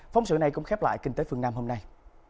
phóng sự này cũng khép lại kinh tế phương nam hôm nay